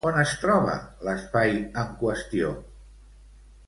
On es troba l'espai en qüestió?